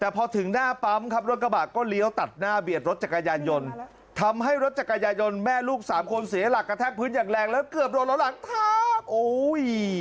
แต่พอถึงหน้าปั๊มครับรถกระบะก็เลี้ยวตัดหน้าเบียดรถจักรยานยนต์ทำให้รถจักรยายนแม่ลูกสามคนเสียหลักกระแทกพื้นอย่างแรงแล้วเกือบโดนล้อหลังทับโอ้ย